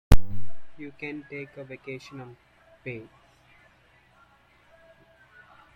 You can take a vacation on pay.